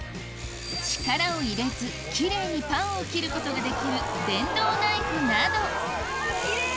力を入れずきれいにパンを切ることができる電動ナイフなどきれい！